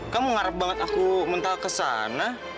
kamu ngarep banget aku mental kesana